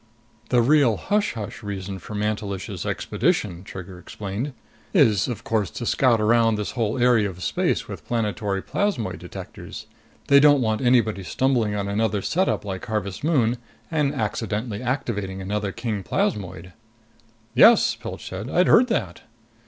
"The real hush hush reason for Mantelish's expedition," Trigger explained, "is, of course, to scout around this whole area of space with planetary plasmoid detectors. They don't want anybody stumbling on another setup like Harvest Moon and accidentally activating another king plasmoid." "Yes," Pilch said. "I'd heard that."